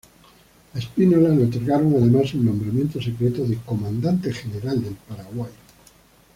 A Espínola le otorgaron además el nombramiento secreto de comandante general del Paraguay.